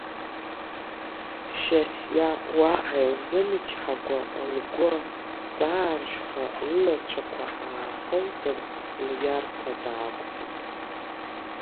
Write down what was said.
Шьасиа уаҳа илзымычҳакәа, лгәы ҵааршәха лылацәақәа аахылтын, лиарҭа даақәтәеит.